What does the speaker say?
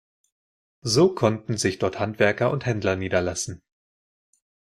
So konnten sich dort Handwerker und Händler niederlassen.